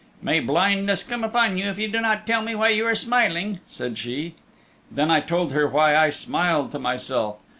'May blindness come upon you if you do not tell me why you are smiling,' said she. Then I told her why I smiled to myself.